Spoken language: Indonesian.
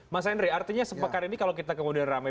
mas henry artinya sepekan ini kalau kita kemudian ramai